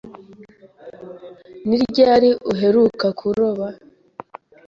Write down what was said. Ni ryari uheruka kuroba?